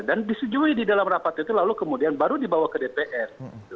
dan disetujui di dalam rapat itu lalu kemudian baru dibawa ke dpr